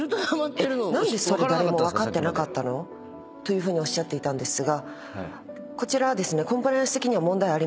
何でそれ誰も分かってなかったの？」というふうにおっしゃっていたんですが。